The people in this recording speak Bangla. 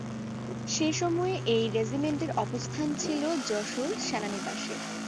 সে সময়ে এই রেজিমেন্টের অবস্থান ছিল যশোর সেনানিবাসে।